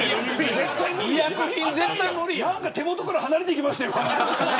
なんか手元から離れていきましたよ。